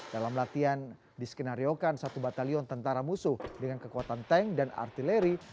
dalam latihan diskenariokan satu batalion tentara musuh dengan kekuatan tank dan artileri